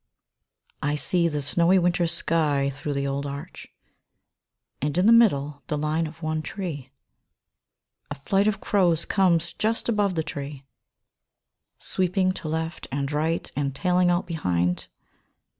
PICTURE. I SEE the snowy winter sky through the old arch ; And in the middle the line of one tree. A flight of crows comes just above the tree, Sweeping to left and right, and tailing out behind.